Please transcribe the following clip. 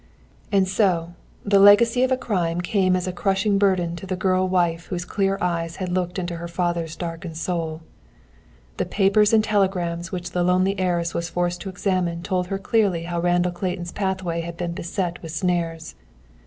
And so, the legacy of a crime came as a crushing burden to the girl wife whose clear eyes had looked into her father's darkened soul. The papers and telegrams which the lonely heiress was forced to examine told her clearly how Randall Clayton's pathway had been beset with snares.